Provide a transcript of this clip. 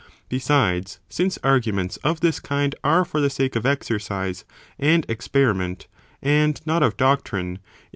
Besides, since arguments of this kind are for the sake of exercise and experiment, and not of doctrine, it.